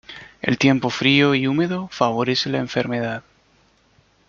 El tiempo frío y húmedo favorece la enfermedad.